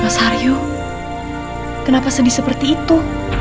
mas aryu kenapa sedih seperti itu